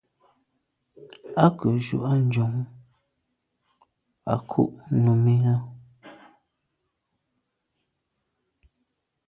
À ke njù à njon à ku’ num i là.